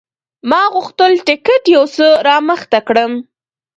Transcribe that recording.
ما غوښتل ټکټ یو څه رامخته کړم.